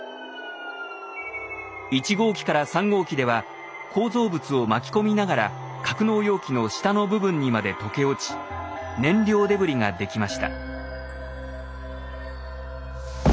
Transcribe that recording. １号機から３号機では構造物を巻き込みながら格納容器の下の部分にまで溶け落ち燃料デブリができました。